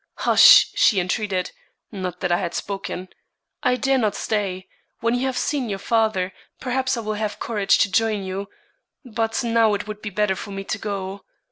"Hush!" she entreated. (Not that I had spoken.) "I dare not stay. When you have seen your father, perhaps I will have courage to join you; but now it would be better for me to go."